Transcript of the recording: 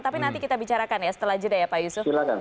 tapi nanti kita bicarakan ya setelah jeda ya pak yusuf